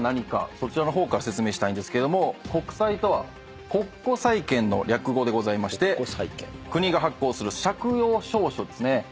そちらの方から説明したいんですけど国債とは国庫債券の略語でございまして国が発行する借用証書ですね。